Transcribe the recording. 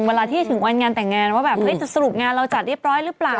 เวลาที่ถึงวันงานแต่งงานว่าแบบเฮ้ยจะสรุปงานเราจัดเรียบร้อยหรือเปล่า